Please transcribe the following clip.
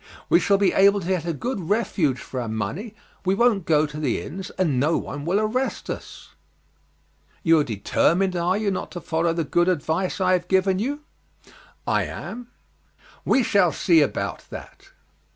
We shall be able to get a good refuge for our money, we won't go to the inns, and no one will arrest us." "You are determined, are you, not to follow the good advice I have given you?" "I am." "We shall see about that."